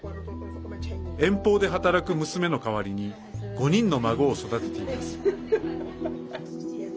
遠方で働く娘の代わりに５人の孫を育てています。